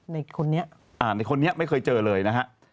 ในคนนี้ไม่เคยเจอเลยนะฮะ